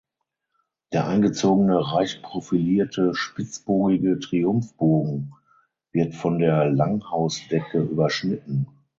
Der eingezogene reich profilierte spitzbogige Triumphbogen wird von der Langhausdecke überschnitten.